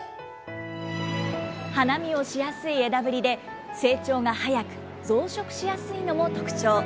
花見をしやすい枝ぶりで、成長が早く、増殖しやすいのも特徴。